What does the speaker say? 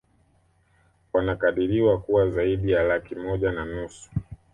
Wanakadiriwa kuwa zaidi ya laki moja na nusu